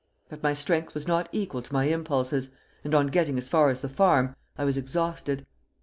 But my strength was not equal to my impulses, and on getting as far as the farm, I was exhausted.